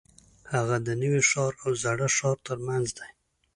هغه د نوي ښار او زاړه ښار ترمنځ دی.